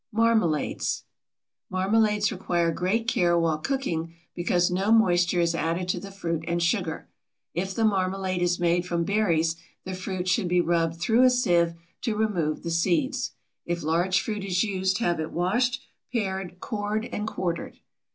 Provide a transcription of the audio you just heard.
MARMALADES. Marmalades require great care while cooking because no moisture is added to the fruit and sugar. If the marmalade is made from berries the fruit should be rubbed through a sieve to remove the seeds. If large fruit is used have it washed, pared, cored, and quartered.